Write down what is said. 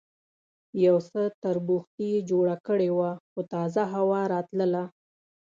یو څه تربوختي یې جوړه کړې وه، خو تازه هوا راتلله.